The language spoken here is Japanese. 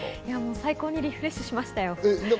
最高にリフレッシュしました。